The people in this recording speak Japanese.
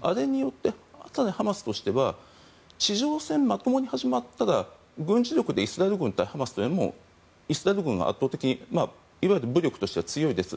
あれによってハマスとしては地上戦がまともに始まったら軍事力でイスラエル軍対ハマスだともうイスラエル軍が圧倒的に武力としては強いです。